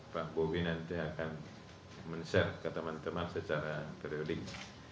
pak bobi nanti akan men share ke teman teman secara periodik